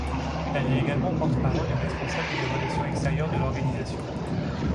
Elle est également porte-parole et responsable des relations extérieures de l'organisation.